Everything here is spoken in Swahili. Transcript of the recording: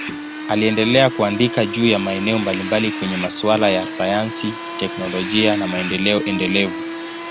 Aliendelea kuandika juu ya maeneo mbalimbali kwenye masuala ya sayansi, teknolojia na maendeleo endelevu.